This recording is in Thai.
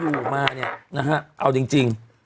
อยู่มาเนี่ยนะฮะเอาจริง